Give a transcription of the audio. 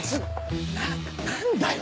な何だよ